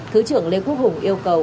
thứ trưởng lê quốc hùng yêu cầu